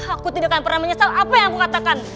aku tidak akan pernah menyesal apa yang aku katakan